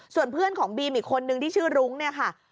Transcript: ส่วนเพื่อนของบีมอีกคนนึงที่ชื่อรุ้งเนี่ยค่ะ